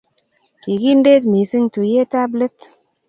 Ki kindet mising tuiyet ab let